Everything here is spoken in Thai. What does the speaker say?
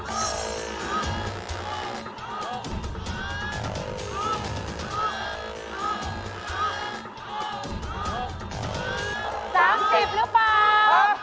๓๐หรือเปล่า